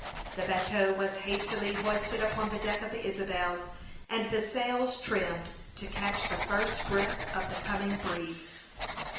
The bateau was hastily hoisted upon the deck of the Isabel, and the sails trimmed to catch the first breath of the coming breeze.